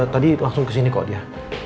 tadi langsung kesini kok dia